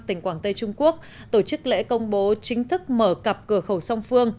tỉnh quảng tây trung quốc tổ chức lễ công bố chính thức mở cặp cửa khẩu song phương